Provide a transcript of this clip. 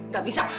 gak bisa tetep aja